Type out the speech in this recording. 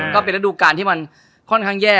ก็เป็นฤดูการที่มันค่อนข้างแย่